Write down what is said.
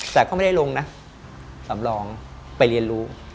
แต่ก็ไม่ได้ลงนะสำรองไปเรียนรู้